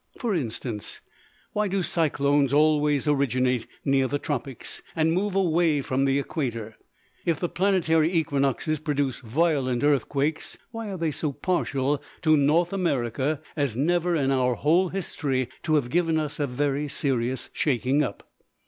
For instance, why do cyclones always originate near the tropics and move away from the equator? If the planetary equinoxes produce violent earthquakes, why are they so partial to North America as never in our whole history to have given us a very serious shaking up?